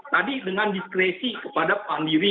tadi dengan diskresi kepada pandiri